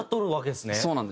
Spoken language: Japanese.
そうなんですよ。